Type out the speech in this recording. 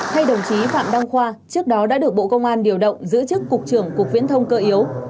thay đồng chí phạm đăng khoa trước đó đã được bộ công an điều động giữ chức cục trưởng cục viễn thông cơ yếu